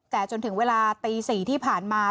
แต่จนถึงเวลาตี๔ที่ผ่านมา